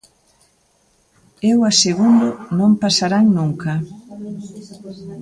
Eu asegundo: non pasarán nunca.